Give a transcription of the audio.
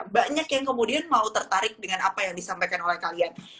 banyak yang kemudian mau tertarik dengan apa yang disampaikan oleh kalian